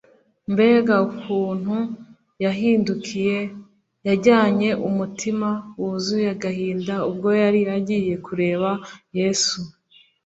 Mbega ukuntu yahindukiye! Yajyanye umutima wuzuye agahinda ubwo yari agiye kureba Yesu.